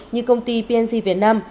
như công ty pnc việt nam